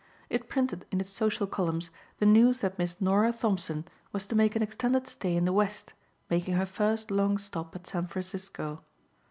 It printed in its social columns the news that Miss Norah Thompson was to make an extended stay in the West, making her first long stop at San Francisco.